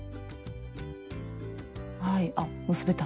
はいあっ結べた。